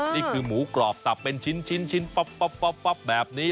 นี่คือหมูกรอบสับเป็นชิ้นปับแบบนี้